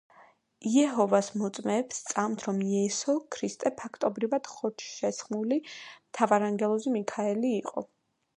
იეჰოვას მოწმეებს სწამთ რომ იესო ქრისტე ფაქტობრივად ხორცშესხმული მთავარანგელოზი მიქაელი იყო.